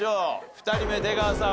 ２人目出川さん